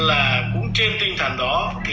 là cũng trên tinh thần đó